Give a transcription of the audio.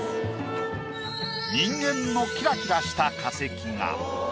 人間のキラキラした化石が。